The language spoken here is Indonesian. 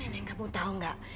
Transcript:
nenek kamu tahu nggak